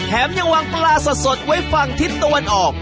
ยังวางปลาสดไว้ฝั่งทิศตะวันออก